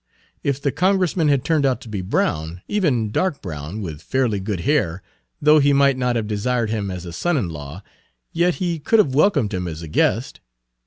If the Congressman had turned out to be brown, even dark brown, with fairly good hair, though he might not have desired him as a son in law, yet he could have welcomed him as a guest.